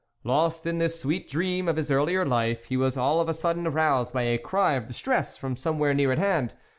Lost in this sweet dream of his earlier life, he was all of a sudden aroused by a cry of distress from somewhere near at hand.